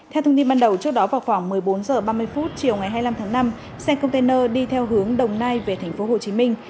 theo thông tin ban đầu trước đó vào khoảng một mươi bốn h ba mươi chiều ngày hai mươi năm tháng năm xe container đi theo hướng đồng nai về tp hcm